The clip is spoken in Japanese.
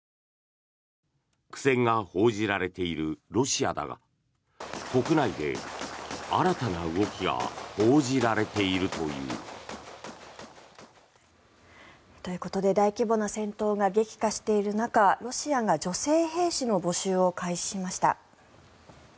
苦戦が報じられているロシアだが国内で新たな動きが報じられているという。ということで大規模な戦闘が激化している中ロシアが女性兵士の募集を開始しました。